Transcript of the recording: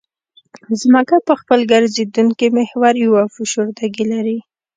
ځمکه په خپل ګرځېدونکي محور یوه فشردګي لري